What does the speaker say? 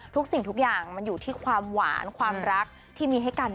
สิ่งทุกอย่างมันอยู่ที่ความหวานความรักที่มีให้กัน